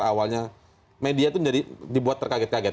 awalnya media itu jadi dibuat terkaget kaget